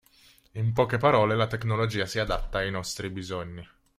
In poche parole la tecnologia si adatta ai nostri bisogni.